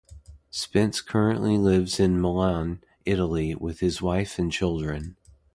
Spence currently lives in Milan, Italy with his wife and children.